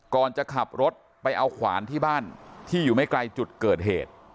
ก่อนจะขับรถไปเอาขวานที่บ้านที่อยู่ไม่ไกลจุดเกิดเหตุ